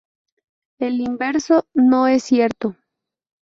El inverso no es cierto.